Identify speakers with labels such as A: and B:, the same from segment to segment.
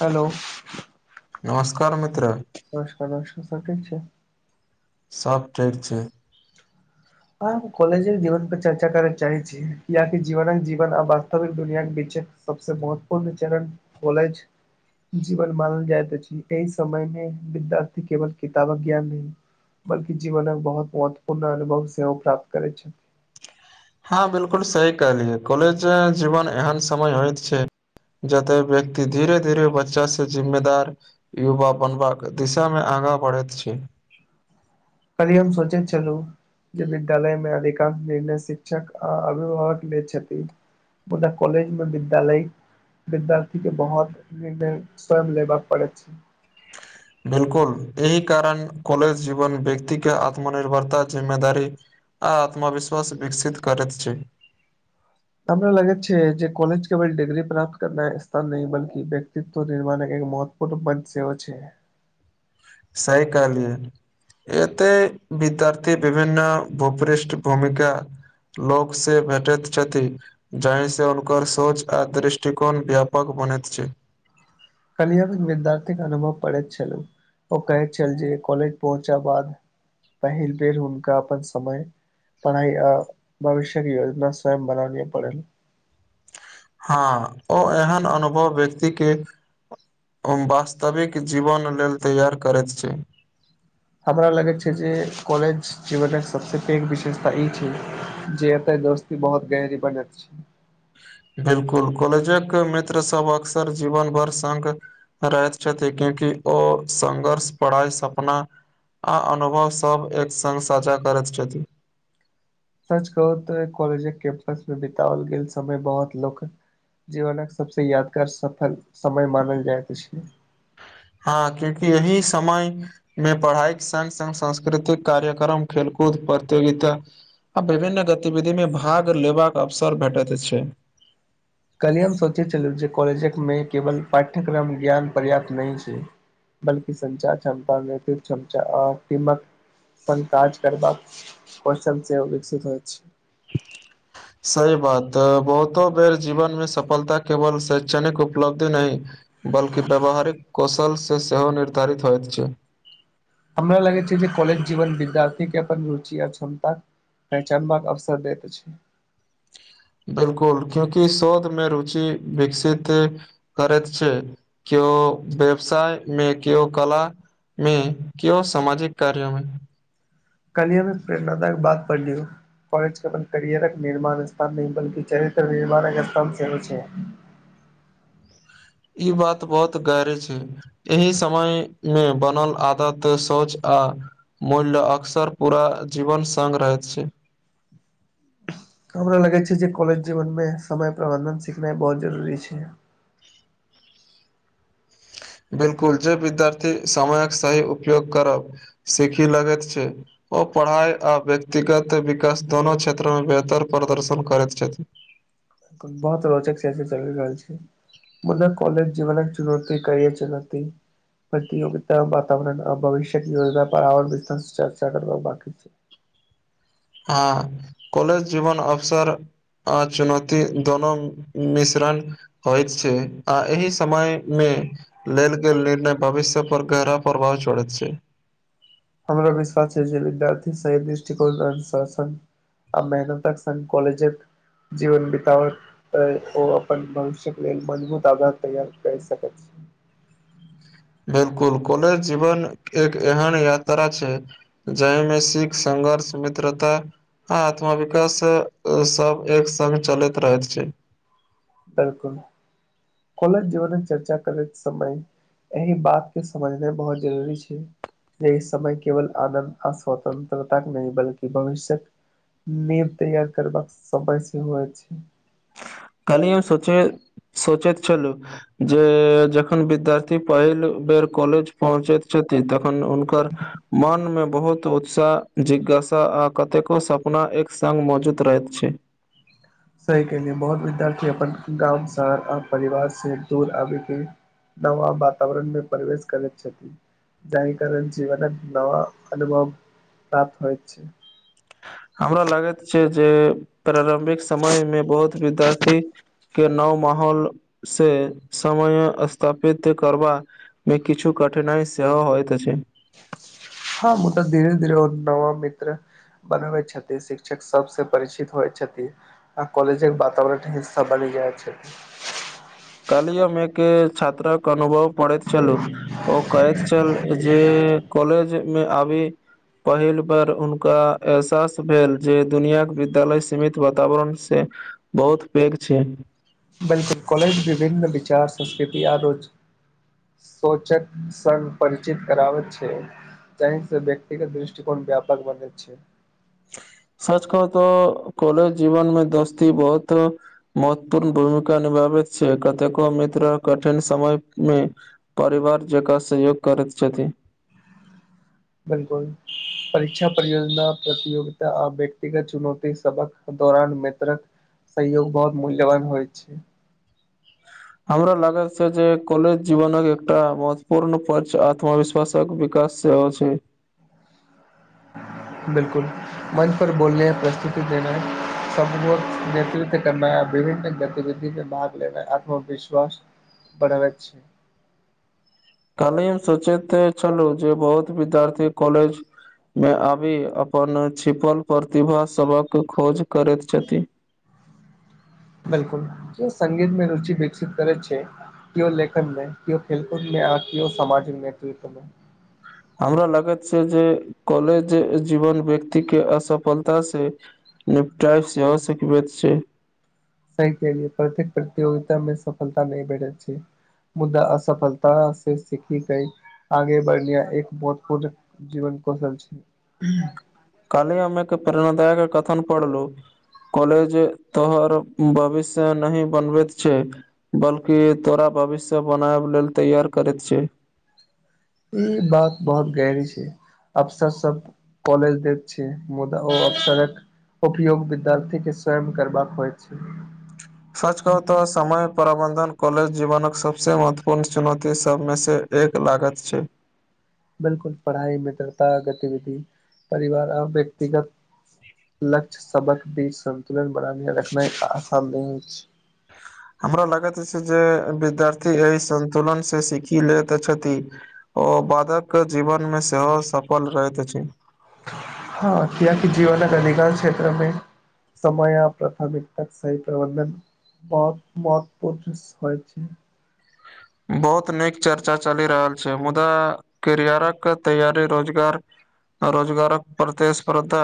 A: Hello,
B: नमस्कार मित्र।
A: नमस्कार नमस्कार। सब ठीक छै।
B: सब ठीक छै।
A: हम काॅलेजो जीवन पर चर्चा करऽ चाहै छी या जीवनक जीवन आ वास्तविक दुनियाक बीच सबसे महत्वपूर्ण चरण कॉलेज जीवन मानल जाइत अछि एहि समय मे विद्यार्थी केवल किताबक ज्ञान नै बल्कि जीवनक बहुत महत्वपूर्ण अनुभव सेहो प्राप्त करै छै।
B: हँ बिलकुल सही कहलियै, कॉलेज जीवन एहन समय होइत छै जेतऽ व्यक्ति धीरे -धीरे बच्चा से जिम्मेदार युवा बनबाक दिशा मे आगाँ बढ़ैत छै।
A: काल्हि हम सोचै छलहुं जे विद्यालय मे अधिकांश निर्णय शिक्षक आ अभिभावक लेैत छथि मुदा कॉलेज मे विद्यालय विद्यार्थी के बहुत निर्णय स्वयं लेबऽ पड़ेै छै। [inaudible]
B: बिलकुल, एहि कारण कॉलेज जीवन व्यक्ति के आत्मनिर्भरता जिम्मेदारी आ आत्मविश्वास विकसित करैत छै।
A: हमरा लगैत छै जे कॉलज केवल डिग्री प्राप्त करनाय स्थान नहि बल्कि व्यक्तित्व निर्माणक एक महत्व पूर्ण सेहो छै।
B: सही कहलियै। एतै विद्यार्थी विभिन्न भूपृष्ट भूमिका लोक से भेटैत छथि जाहि सऽ हुनकर सोच आ दृष्टिकोण व्यापक बनेैत छै।
A: काल्हिये हम विद्यार्थीक अनुभव पढ़ैत छलहुं ओ कहैत छल जे कॉलेज पहुँचा बाद पहिल बेर हुनका अपन समय पढ़ाइ आ भविष्यक योजना स्वयं बनाबै पड़ल।
B: हँ, ओ एहन अनुभव व्यक्ति के हम वास्तविक जीवन लेल तैयार करैत छै।
A: हमरा लगैत छै जे कॉलेज जीवनक सबसँ पैघ विशेषता ई छै जे एतय दोस्त बहुत गहरी बनैत छै।
B: बिलकुल, कॉलेजक मित्र सब अक्सर जीवन भर संग रहैत छथि कियाकि ओ संघर्ष, पढ़ाइ, सपना आ अनुभव सभ एक सङ्ग साझा करैत छथि।
A: सच कहु त कॉलेज कैंपस में बिताओल गेल समय, बहुत लोक जीवनक सबसे यादगार सफल समय मानल जाइत अछि।
B: हँ कियाकि यही समय मे पढ़ाइ संग संग सांस्कृतिक कार्यक्रम, खेलकूद प्रतियोगिता आ विभिन्न गतिविधि में भाग लेबाक अवसर भेटैत छै।
A: काल्हिये हम सोचे छलहुँ जे कॉलेजमे केवल पाठ्यक्रम ज्ञान पर्याप्त नहि छै। बल्कि संचार क्षमता, व्यक्तित्व क्षमता आ कीनक संग काज करबाक पर्सन से विकसित होइछ।
B: सही बात, बहुतो बेर जीवन मे सफलता केवल शैक्षणिक उपलब्धि नहि बल्कि व्यावहारिक कौशलसँ सेहो निर्धारित होइत छै।
A: हमरा लगै छै जे काँलज जीवन विद्यार्थी के अपन रुचि आ क्षमता पहिचानबाक अवसर दैत अछि।
B: बिलकुल, कियाकि शोधमे रुचि विकसित करैत छै। केओ व्यवसाय मे केयो कला मे केओ सामाजिक कार्योमे
A: कल्ही हमहू प्रेरणादायक बात पढ़लीहू। कॉलेज केल करियरक निर्माण स्थान नहि बलकी चरित्र निर्माणक स्थान सेहो छै।
B: ई बात बहुत गहर छै। एहि समय मे बनल आदत शौच आ मुल्य अक्सर पूरा जीवन संग रहैत छै।
A: हमरा लगै छै जे कॉलेज जीवनमे समय प्रबन्धन सिखनाइ बहुत जरूरी छै।
B: बिलकुल जे विद्यार्थी समयक सही उपोग करब सीखी लगैत छै। ओ पढ़ाइ आ व्यक्तिगत विकास दोनो क्षेत्रमे बेहतर प्रदर्शन करैत छैथ।
A: बहुत रोचक सेस चलि रहल छै। मुदा कॉलज जीवनक चुनौती करियर चुनौती प्रतियोगितता वातावरण आ भविष्यक योजना पर आर विस्तार स चर्चा करब बाकी छै।
B: हँ कॉलेज जीवन अवसर आ चुनौती दोनो मिश्रण होइत छै आ एहि समयमे लेल गेल निर्णय भविष्य पर गहरा प्रभाव छोड़ैत छै।
A: हमरा विश्वास छै जे विद्यार्थी सही दृष्टिकोण अनुशासन आ मेहनतक संग काँलजेक जीवन बिताबक तऽ ओ अपन भविष्यक लेल मजभूत आधार तैयार करि सकैत छै।
B: बिलकुल कॉलेज जीवन एक एहन यात्रा छै जाहिमे सिख, संघर्ष, मित्रता आ अथवा विकास सब एक संग चलैत रहैत छै।
A: बिल्कुल कॉलज जीवनक चर्चा करैत समय अहि बात के समझनाइ बहुत जरूरी छै। जे इ समय केवल आनन्द आ स्वतन्त्रताक नहि बल्कि भविष्यक नीव तैयार करबाका समय सेहो अछि।
B: काली हम सोचे सोचैत छलू जे जखन विद्यार्थी पहिल बेर कॉलेज पहुँचैत छथिन तखन हुनकर मोनमे बहुत उत्साह, जिज्ञासा आ कतेको सपना एक संग मौजूद रहैत छै।
A: सही कहली बहुत विद्यार्थी अपन गाँव शहर आर परिवार से दूर आबेके नवा वातावरण मे प्रवेश करैत छथि। जाहि कारण जीवन नव अनुभव प्राप्त होइत छै।
B: हमरा लागैत छै जे प्रारम्भिक समय मे बहुत विद्यार्थी के नव माहौल से समय स्थापित करबा मे किछु कठिनाइ सेहो होइत अछि।
A: हँ मुदा धीरे धीरे ओ नवा मित्र बनबै छथि शिक्षक सबस परिचित होइ छथि। आ कॉलेजक बातावरण हिस्सा बनी जाय छथि।
B: कल्ही हम एक छात्रक अनुभव पढ़ैत छलू ओ कहैत छल जे कॉलेज मे आबी पहिल बेर हुनका एहसास भेल जे दुनियाक विद्यालय सीमित वातावरण से बहुत पैघ छै।
A: बिल्कुल कॉलेज विभिन्न विचार संस्कृति आरो सोचक संग परिचित कराबैत छै। जाहि स व्यक्तिगत दृष्टिकोण व्यापक बनैत छै।
B: सच कह तऽ कॉलेज जीवनमे दोस्ती बहुत। महत्वपूर्ण भूमिका निभाबैत छै कतेको मित्र कठिन समय मे। परिवार जकाँ सहयोग करैत छथिन।
A: बिलकुल। परीक्षा परियोजना प्रतियोगिता आ व्यक्तिगत चुनौती सबक दौरान मेत्रक। सहयोग बहुत मूल्यवान होइ छै।
B: हमरा लागा छै जे कलज जीवनक एकटा महत्वपूर्ण पर्य आत्मविश्वास। तक विकास सेहो छै।
A: बिल्कुल। मञच पर बोलने प्रस्तुति देना सब नेतृत्व करना य विभिन्न गतिविधि। भाग लेना आत्मविश्वास बढ़वैत छै।
B: कनि सोचैत छलहु जे बहुत विद्यार्थी कॉलेज। मे आबि अपन छिपल प्रतिभा सबक खोज करैत छथि।
A: बिलकुल सगीतमे रुचि विकसित करे छै। केओ लेखन मे केओ खेलकूद में केओ समामाजिक नेतृत्व मे।
B: हमरा लागैत छै जे कलेज जीवन व्यक्ति के असफलता से। नेपटॉप सेहो सिखबै छै।
A: सही कहलिए केए प्रतेक प्रतियोगिता में सफलता नहि भेठैत छै। मुद्दा असफलता से सीखी गई आगे बढ़लिया एक महुतपूर्ण। जीवन कौशल छै।
B: कालहि हम एक प्रेरणादायक कथन पढ़लु। कॉलेज तोहर भविष्य नही बनबैत छै। बल्कि तोरा भविष्य बनाब लेल तैयार करैत छै।
A: ई बात बहुत गहरी छै अफसर सब। कलज देख छै मुदा ओ अकसरक। उपयोग विद्यार्थी के स्वयं करबाक परै छै।
B: सच कहु त। समय प्रबन्धन कॉलेज जीवनक सभसँ महत्वपूर्ण चुनौती सभमेसँ एक लागत छै।
A: बिलकुल पढ़ाई मित्रता गतिविधि परिवार आ व्यक्तिगत। लक्ष्य सबक बीच संन्तुलन बनाे रखनाइ आसान नहि अछि।
B: हमरा लागैत जे विद्यार्थी एहि संन्तुलन से सीखि लेैत छथि। ओ बादक जीवनमे सेहो सफल रहैत अछि।
A: हँ कियाक जीवन अधिकार क्षेत्रमे। समय प्राथमिकताक सही प्रबंधन। मद मद प्रचस होइ छै।
B: बहुत नीक चर्चा चलि रहल छै मुदा करियारक तैयारी रोजगार। रोजगारक प्रतिस्पर्धा।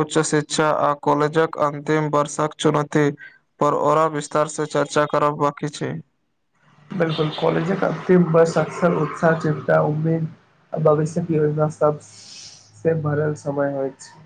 B: उच्च शिक्षा आ कॉलेजक अन्तिम वर्षक चुनौती पर आरो विस तार से चर्चा करब बांकी छैय।
A: बिलकुल कॉलेजक अन्तिम वर्ष अकसर उत्साह चिन्ता उम्मीद। भविष्यक योजना सबसँ भरल समय होय छैय।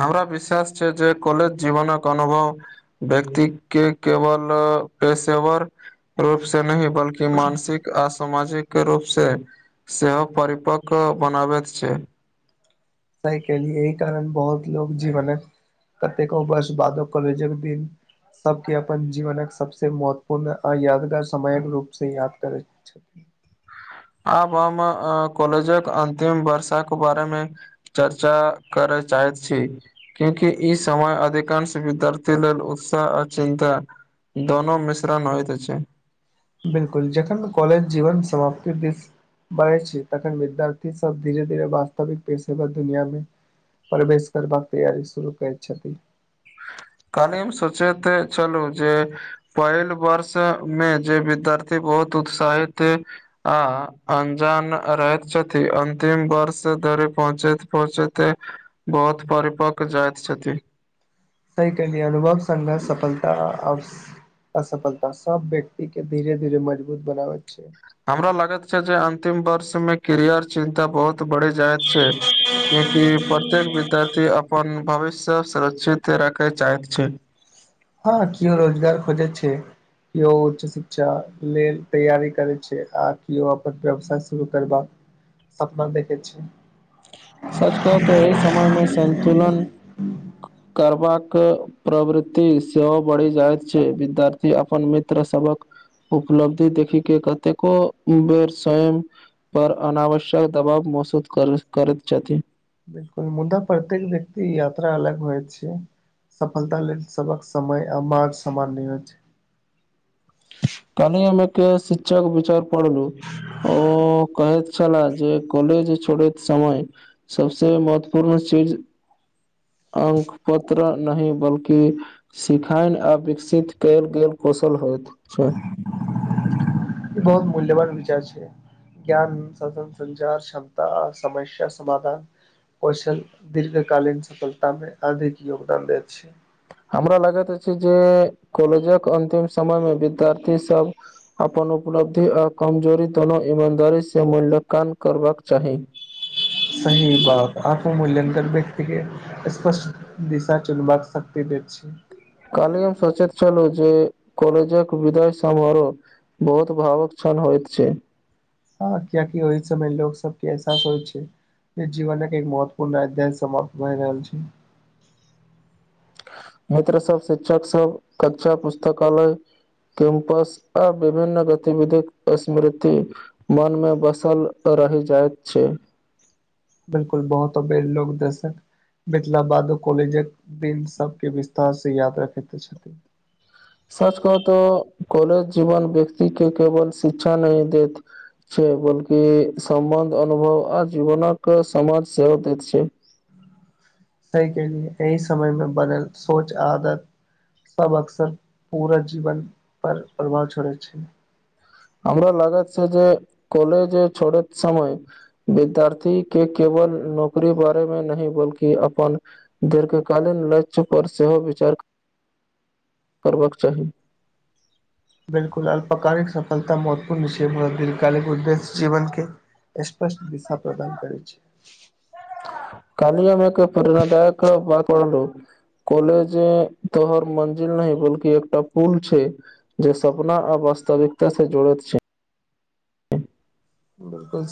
B: हमरा विश्वास छैय जे कॉलेज जीवनक अनुभव। व्यक्ति के केवल पेशेवर रूप से नहि बल कि मानसिक आ सामाजिक रूप से सेहो परिपक्व बनाबैत छैय।
A: सही कहलिए एहि कारण बहुत लोग जीवनक कतेको वर्ष बादो कॉलेजक दिन। सब के अपन जीवनक सबसे महत्वपूर्ण आ यादगार समयक रूप से याद करय, [inaudible]
B: आब हम कॉलेजक अंतिम वर्ष के बारे मे, चर्चा करय चाहैत छी, क्यूंकि ई समय अधिकांश विद्यार्थी लेल उत्साह आ चिन्ता, दोनो मिश्रण होइत छैय,
A: बिलकुल जखन कॉलेज जीवन समाप्ति दिस, बढ़ै छी तखन विद्यारथी सब धीेरे धीरे वास्तविक पेशवर दुनिया मे प्रवेश करबाक तैयारी शुरू करैत छथि।
B: काल्हि हम सोचेते छलहुँ जे, पहिल वर्ष मे जे विद्यार्थी बहुत उत्साहित देख, आ अंजान रहैत छथि अन्तिम वर्ष धरि पहुँचैत पहुँचैते, बहुत परिपक्व जाइत छथि।
A: तहि के लिए अनुभव संघर्ष सफलता, असफलता सब व्यक्ति के धीरे धीरे मजबूत बनाबैत छैय,
B: हमरा लागत छैय जे अंतिम वर्ष में कैरियर चिन्ता बहुत बढ़ि जायत छैय कियेकि प्रत्येक विद्यार्थी अपन भविष्य सुरक्षित, राखय चाहैत छैय।
A: हँ किओ रोजगार खोजय छैय। कियो उच्च शिक्षा लेल तैयारी करत छैय आ कियो अपन व्यवसाय शुरू करबाक, सपना देखै छैय।
B: सच कहू तऽ अहि समयमे सन्तुलन,
A: [inaudible]
B: करबाक प्रवृति सेहो बढ़ि जायत छैय विद्यार्थी अपन मित्र सभक, उपलब्धि देखि के कतेको बेर स्वयं, पर अनावश्यक दबाव मसूद करय करैत छथि।
A: मुदा प्रत्येक व्यक्ति यात्रा अलग होय छैय। सफलता लेल सभक समय आ मार्ग सामान नहि होइत।
B: कनी हमे के शिक्षक विचार पढ़लू ओ कहैथ, छलय जे कॉलेज छोड़ैत समय सबसे महत्वपूर्ण चीज, अंक पत्र नहि बल्कि, सिखायल आ विकसित कयल गेल कौशल होइत छैय,
A: ई बहुत मूल्यवान विचार छैय। ज्ञान साधन संचार क्षमता आ समस्या समाधान। कौशल दीर्घकालीन सफलतामे अधिक योगदान दैत छैय।
B: हमरा लगैत अछि जे कॉलेजक अन्तिम समय मे विद्यार्थी सब, अपन उपलब्धि आ कमजोरी दुनो ईमानदारी स मूल्यकान करबाक चाही।
A: सही बात आत्म मूल्यांकन व्यक्ति के, स्पष्ट दिशा चुनबाक शक्ति दैत छैय।
B: कलियों सचैत छलहुँ जे कॉलेजक विदाय समारोह, बहुत भावुक क्षण होइत छैय।
A: हँ कियकि ओहि समय लोक सबके एहसास होय छैय। जीवन के एक महत्वपूर्ण अध्याय समाप्त भए रहल छै।
B: मित्र सब शिक्षक सब कक्षा पुस्तकालय कैम्पस आ विभिन्न गतिविधिक स्मृती। मन मे बसल रहि जाइत छै।
A: बिलकुल बहुत अबेर लोक दसन। मिथिला बादो कॉलेजक दिन सब के विस्तार से याद रखे छथिन।
B: सच कहू तो कॉलेज जीवन व्यक्ति के केवल शिक्षा न देत छै, बल्कि सम्बंध अनुभव आ जीवनक के समाज सेहो दैत छै।
A: सहि कहऽ लिए एहि समय मे बनल सोच आदत सब अक्सर पूरा जीवन पर प्रभाव छोड़ै छै।
B: हमरो लागत छै, जे काॅलेज छोड़त समय विद्यार्थी के केवल नौकरी बारे मे नहि बल्कि अपन दीर्घकालीन लक्ष्य पर सेहो विचार करबाक चाही।
A: बिलकुल अल्पकालिक सफलता महत्वपूर्ण छिये, मुदा दीर्घकाल उद्देश्य जीवन के स्पष्ट दिशा प्रदान करै छै।
B: कल्ही हम एक प्रेरणादायक बात पढलाउ कॉलेज तोहर मंजिल नहि बलकि एकटा पुल छै। जे सपना आ वास्तविकता से जुड़ैत छै।
A: बिलकुल